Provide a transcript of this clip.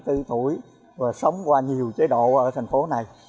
tôi là tám mươi bốn tuổi và sống qua nhiều chế độ ở thành phố này